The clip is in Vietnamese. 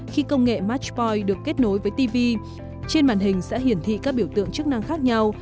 khi công nghệ mattpoin được kết nối với tv trên màn hình sẽ hiển thị các biểu tượng chức năng khác nhau